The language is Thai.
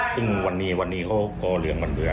จึงวันนี้วันนี้ก็เหลืองบรรเวียน